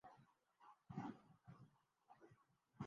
سرفراز نے بلے بازوں کو شکست کا ذمہ دار قرار دے دیا